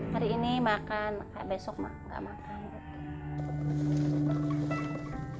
hari ini makan besok enggak makan